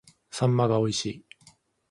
秋刀魚が美味しい